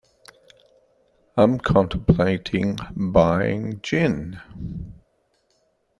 I’m contemplating buying gin.